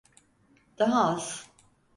Daha az.